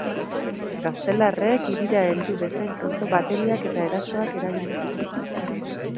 Gaztelarrek hirira heldu bezain pronto bateriak eta erasoak erabili zituzten.